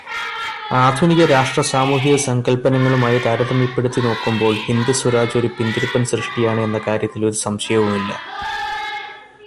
ആധുനിക രാഷ്ട്ര-സാമൂഹികസങ്കല്പനങ്ങളുമായി താരതമ്യപ്പെടുത്തി നോക്കുമ്പോള് ഹിന്ദ് സ്വരാജ് ഒരു പിന്തിരിപ്പന് സൃഷ്ടിയാണ് എന്ന കാര്യത്തില് ഒരു സംശയവുമില്ല.